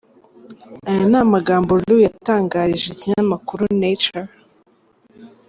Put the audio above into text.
Aya ni amagambo Lu yatangarije ikinyamakuru Nature.